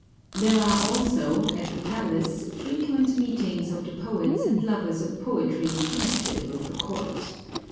There are also, at the palace, frequent meetings of the poets and lovers of poetry connected with the court.